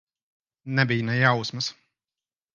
Nebija ne jausmas.